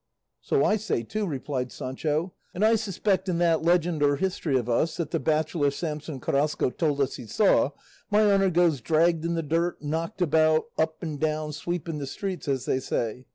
"So I say too," replied Sancho; "and I suspect in that legend or history of us that the bachelor Samson Carrasco told us he saw, my honour goes dragged in the dirt, knocked about, up and down, sweeping the streets, as they say.